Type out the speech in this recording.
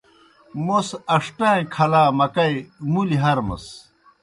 موْس اݜٹَائِیں کھلا مکئی مُلیْ ہرمَس۔